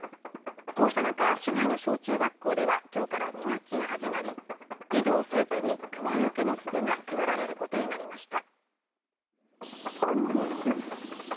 こうした中、市内の小中学校ではきょうから２学期が始まり児童生徒にクマよけの鈴が配られることになりました。